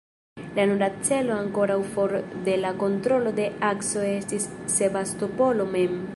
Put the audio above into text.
La nura celo ankoraŭ for de la kontrolo de Akso estis Sebastopolo mem.